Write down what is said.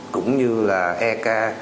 cũng như là ek